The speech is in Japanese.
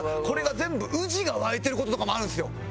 これが全部ウジが湧いてる事とかもあるんですよ。